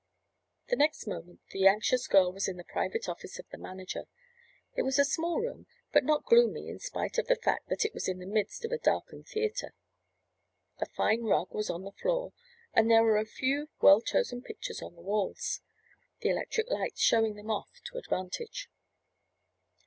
The next moment the anxious girl was in the private office of the manager. It was a small room, but not gloomy in spite of the fact that it was in the midst of a darkened theatre. A fine rug was on the floor and there were a few well chosen pictures on the walls, the electric lights showing them off to advantage.